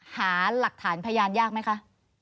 หาหลักฐานพยานยากไหมคะ